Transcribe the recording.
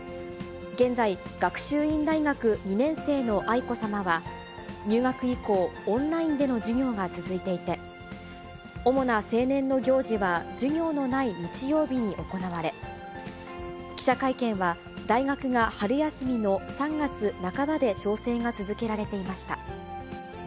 現在、学習院大学２年生の愛子さまは、入学以降、オンラインでの授業が続いていて、主な成年の行事は授業のない日曜日に行われ、記者会見は大学が春休みの３月半ばで調整が続けられていました。